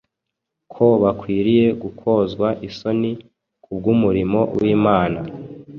ko bakwiriye gukozwa isoni kubw’umurimo w’Imana.